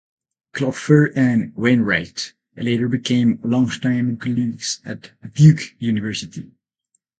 Klopfer and Wainwright later became longtime colleagues at Duke University.